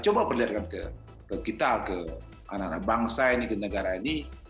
coba perlihatkan ke kita ke anak anak bangsa ini ke negara ini